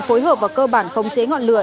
phối hợp và cơ bản khống chế ngọn lửa